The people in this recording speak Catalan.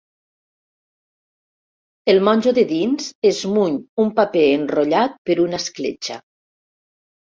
El monjo de dins esmuny un paper enrotllat per una escletxa.